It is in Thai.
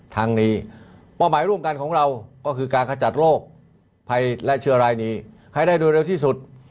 ทั้งนี้เป้าหมายร่วมกันของเราก็คือการขจัดโรคภัยและเชื้อรายนี้ให้ได้โดยเร็วที่สุด